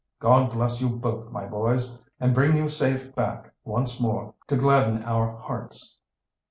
God bless you both, my boys! and bring you safe back once more to gladden our hearts.